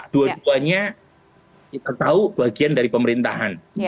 dua duanya kita tahu bagian dari pemerintahan